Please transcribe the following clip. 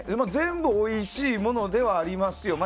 全部おいしいものではありますよ。